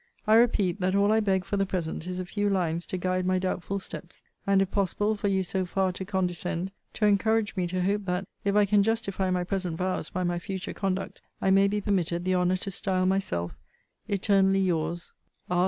I repeat, that all I beg for the present is a few lines to guide my doubtful steps; and, if possible for you so far to condescend, to encourage me to hope that, if I can justify my present vows by my future conduct, I may be permitted the honour to style myself, Eternally your's, R.